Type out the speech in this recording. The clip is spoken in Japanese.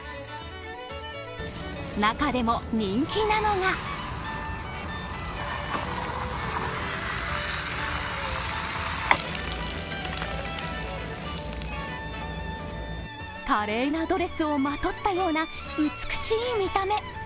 中でも人気なのが華麗なドレスをまとったような、美しい見た目。